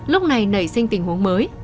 lúc này nảy sinh tình huống mới